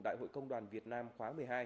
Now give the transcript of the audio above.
đại hội công đoàn việt nam khóa một mươi hai